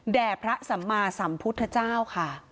แด่พระสัมมาสัมพุทธเจ้าค่ะ